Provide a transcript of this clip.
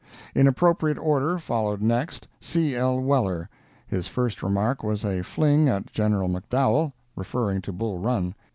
In appropriate order, followed next C. L. Weller. His first remark was a fling at General McDowell, referring to Bull Run.